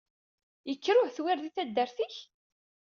Yekker uhedwir di taddert-ik?